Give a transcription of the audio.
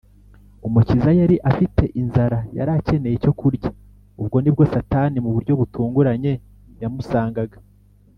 Umukiza yari afite inzara, yari akeneye icyo kurya, ubwo ni bwo Satani mu buryo butunguranye yamusangaga